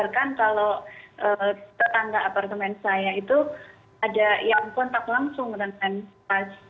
kalau tetangga apartemen saya itu ada yang kontak langsung dengan orang yang positif gitu